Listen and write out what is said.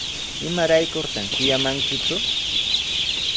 ¿Imaraykutaq kuyamankiku?